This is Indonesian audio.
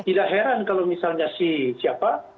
tidak heran kalau misalnya si siapa